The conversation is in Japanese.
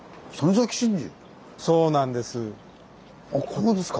ここですか。